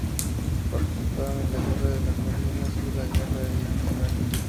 Participaron en la Guerra de las Malvinas y en la Guerra Irán-Irak.